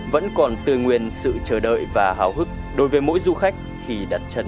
vẫn còn tươi nguyên sự chờ đợi và hào hức đối với mỗi du khách khi đặt chân tới nơi này